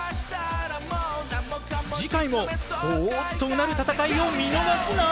次回もほぉっとうなる戦いを見逃すな！